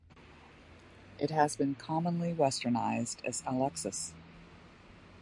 It has been commonly westernized as Alexis.